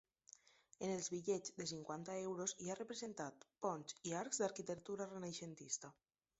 En els bitllets de cinquanta euros hi ha representat ponts i arcs d'arquitectura renaixentista.